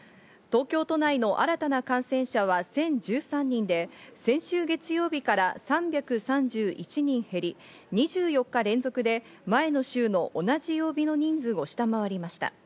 東京都内の新たな感染者は１０１３人で、先週月曜日から３３１人減り、２４日連続で前の週の同じ曜日の人数を下回りました。